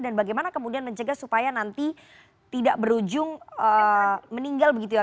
dan bagaimana kemudian mencegah supaya nanti tidak berujung meninggal begitu ya